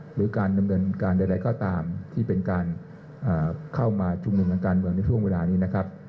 หรือการดำเนินการใดเข้าตามที่เป็นการเข้ามาชุมหนุ่มกันกันในช่วงเวลานี้นะครับ